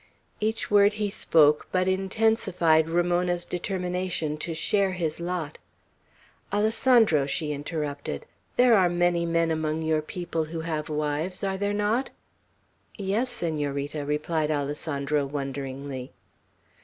Each word he spoke but intensified Ramona's determination to share his lot. "Alessandro," she interrupted, "there are many men among your people who have wives, are there not?" "Yes, Senorita!" replied Alessandro, wonderingly.